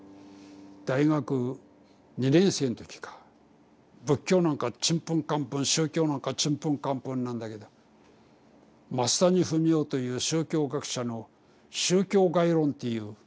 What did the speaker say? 大学２年生の時か仏教なんかちんぷんかんぷん宗教なんかちんぷんかんぷんなんだけど増谷文雄という宗教学者の「宗教概論」っていう講義を受けたんだよ。